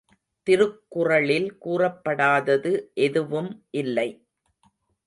திருக்குறளில் கூறப்படாதது எதுவும் இல்லை.